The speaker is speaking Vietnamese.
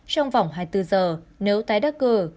trong vòng hai mươi bốn giờ nếu tái đắc cử